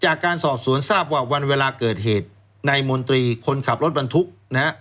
จากการสอบสวนทราบว่าวันเวลาเกิดเหตุนายมนตรีคนขับรถบรรทุกนะฮะ